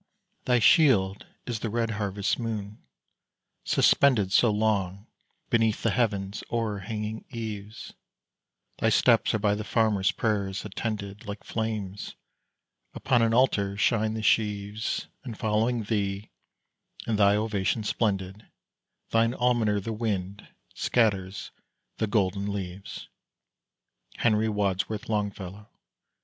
Thy shield is the red harvest moon, suspended So long beneath the heaven's o'erhanging eaves; Thy steps are by the farmer's prayers attended; Like flames upon an altar shine the sheaves; And following thee, in thy ovation splendid, Thine almoner, the wind, scatters the golden leaves! Henry Wadsworth Longfellow.